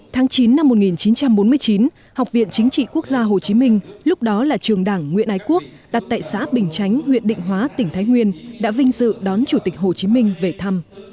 tháng chín năm một nghìn chín trăm bốn mươi chín học viện chính trị quốc gia hồ chí minh lúc đó là trường đảng nguyễn ái quốc đặt tại xã bình chánh huyện định hóa tỉnh thái nguyên đã vinh dự đón chủ tịch hồ chí minh về thăm